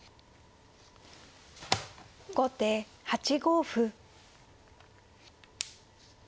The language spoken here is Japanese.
後手８五歩。